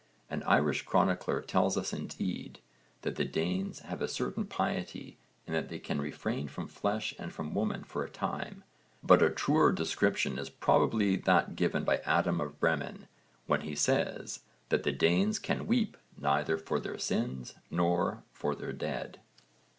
An Irish chronicler tells us indeed that the Danes have a certain piety in that they can refrain from flesh and from women for a time, but a truer description is probably that given by Adam of Bremen when he says that the Danes can weep neither for their sins nor for their dead.